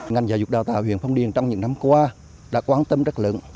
ngành giáo dục đào tạo huyện phong điền trong những năm qua đã quan tâm rất lớn